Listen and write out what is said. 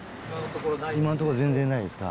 今のところ全然ないですか？